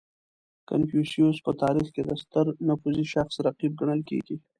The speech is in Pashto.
• کنفوسیوس په تاریخ کې د ستر نفوذي شخص رقیب ګڼل کېږي.